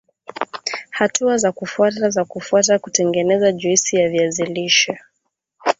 Hatua za kufuata za kufuata kutengeneza juisi ya viazi lishe